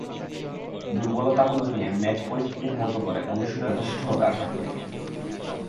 দুর্বলতাগুলো নিয়ে ম্যাচ পরিস্থিতির মতো করে অনুশীলনই যথেষ্ট হবে আশা করি।